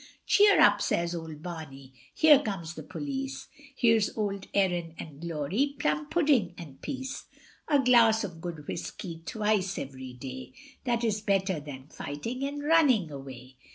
Cheer up, says old Barney, here comes the police: Here's old Erin and glory, plum pudding and peace, A glass of good whiskey twice every day, That is better than fighting and running away!